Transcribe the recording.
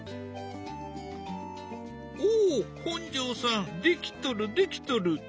お本上さんできとるできとる。